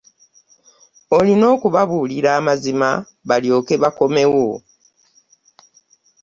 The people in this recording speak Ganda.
Olina okubabuulira amazima balyoke bakomewo.